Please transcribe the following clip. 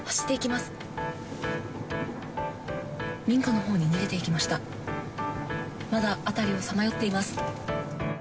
まだ辺りをさまよっています。